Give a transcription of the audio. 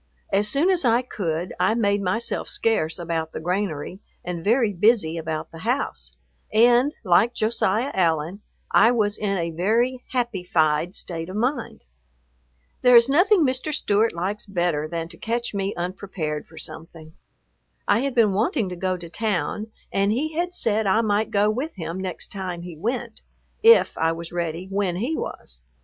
As soon as I could, I made myself scarce about the granary and very busy about the house, and, like Josiah Allen, I was in a very "happyfied" state of mind. There is nothing Mr. Stewart likes better than to catch me unprepared for something. I had been wanting to go to town, and he had said I might go with him next time he went, if I was ready when he was.